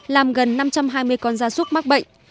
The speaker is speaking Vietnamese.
làm gần năm trăm hai mươi con gia súc mắc bệnh